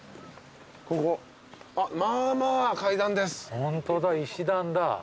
ホントだ石段だ。